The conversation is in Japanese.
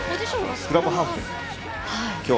スクラムハーフで。